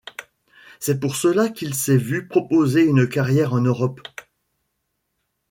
C'est pour cela qu'il s'est vu proposé une carrière en Europe.